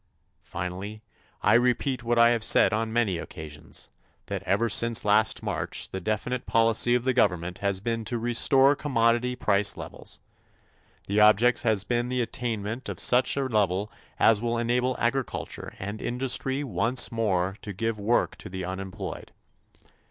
Finally, I repeat what I have said on many occasions, that ever since last March the definite policy of the government has been to restore commodity price levels. The object has been the attainment of such a level as will enable agriculture and industry once more to give work to the unemployed.